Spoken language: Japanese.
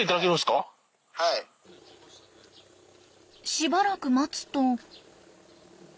しばらく待つと。